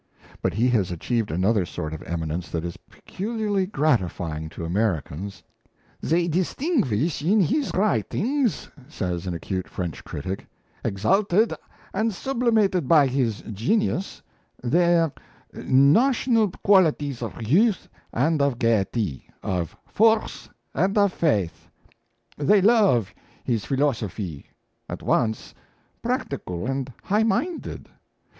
But he has achieved another sort of eminence that is peculiarly gratifying to Americans. "They distinguish in his writings," says an acute French critic, "exalted and sublimated by his genius, their national qualities of youth and of gaiety, of force and of faith; they love his philosophy, at once practical and high minded.